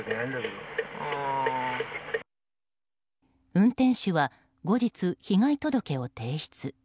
運転手は後日、被害届を提出。